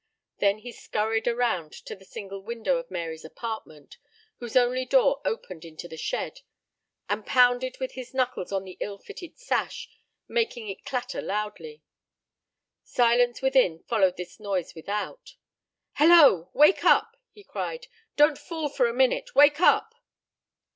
Then he skurried around to the single window of Mary's apartment, whose only door opened into the shed, and pounded with his knuckles on the ill fitted sash, making it clatter loudly. Silence within followed this noise without. "Hello! Wake up!" he cried. "Don't fool for a minute. Wake up!"